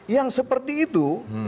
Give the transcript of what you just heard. yang seperti itu